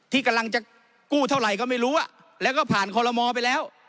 ที่กำลังจะกู้เท่าไหร่ก็ไม่รู้แล้วก็ผ่านคอลโลมอลไปแล้ว